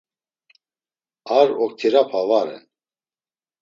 Ar oktirapa va ren.